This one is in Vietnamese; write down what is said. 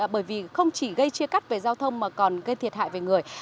bởi vì không chỉ gây chia cắt về giao thông mà còn gây thiệt hại về người